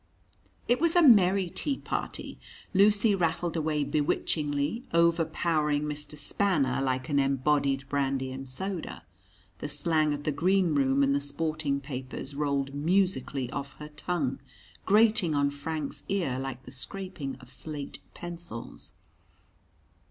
It was a merry tea party. Lucy rattled away bewitchingly, overpowering Mr. Spanner like an embodied brandy and soda. The slang of the green room and the sporting papers rolled musically off her tongue, grating on Frank's ear like the scraping of slate pencils.